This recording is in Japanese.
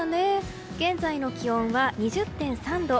現在の気温は２０．３度。